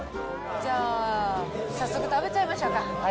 じゃあ、さっそく食べちゃいましょうか。